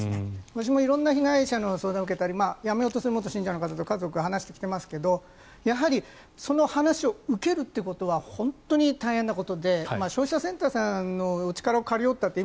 私も色んな被害者の相談を受けたりやめようとする元信者の方の家族の方とか話をしてきていますがやはりその話を受けるということは本当に大変なことで消費者センターさんのお力を借りようったって